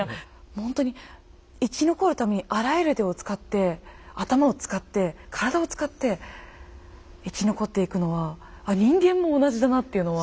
ほんとに生き残るためにあらゆる手を使って頭を使って体を使って生き残っていくのはあっ人間も同じだなっていうのは。